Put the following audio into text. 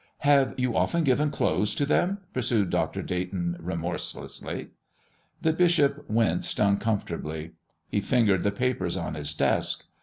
"Have you often given clothes to them?" pursued Dr. Dayton, remorselessly. The bishop winced uncomfortably. He fingered the papers on his desk.